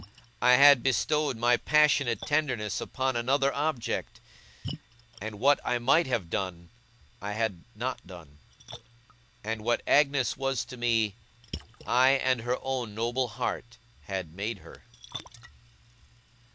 I had bestowed my passionate tenderness upon another object; and what I might have done, I had not done; and what Agnes was to me, I and her own noble heart had made her.